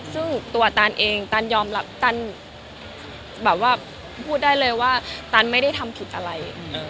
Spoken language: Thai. ซึ่งตัวตันเองตันยอมรับตันแบบว่าพูดได้เลยว่าตันไม่ได้ทำผิดอะไร